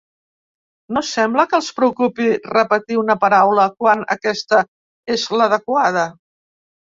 No sembla que els preocupi repetir una paraula quan aquesta és l'adequada.